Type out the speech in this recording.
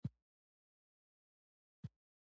د خدای یاد د روح قوت دی.